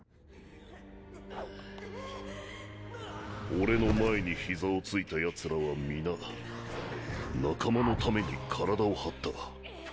俺の前に膝をついた奴らは皆仲間のために体を張った。